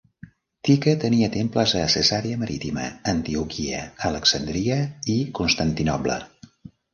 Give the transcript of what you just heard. Tique tenia temples a Cesarea Marítima, Antioquia, Alexandria i Constantinoble.